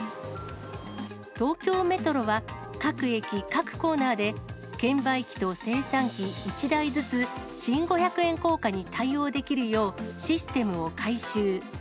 東京メトロは、各駅各コーナーで、券売機と精算機１台ずつ、新五百円硬貨に対応できるよう、システムを改修。